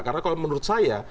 karena kalau menurut saya